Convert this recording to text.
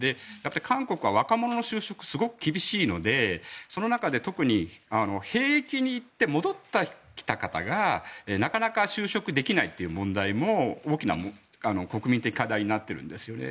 韓国は若者の就職がすごく厳しいのでその中で特に兵役に行って戻ってきた方がなかなか就職できないという問題も大きな国民的課題になっているんですよね。